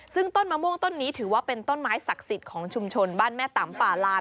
ซึ่งต้นมะม่วงต้นนี้ถือว่าเป็นต้นไม้ศักดิ์สิทธิ์ของชุมชนบ้านแม่ต่ำป่าลาน